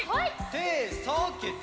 てさげて！